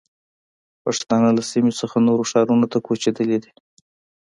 پښتانه له سیمې څخه نورو ښارونو ته کوچېدلي دي.